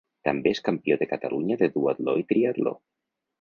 També és campió de Catalunya de duatló i triatló.